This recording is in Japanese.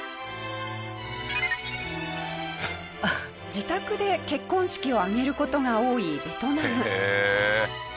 自宅で結婚式を挙げる事が多いベトナム。